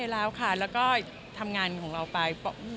แล้วก็ทำงานของเราไป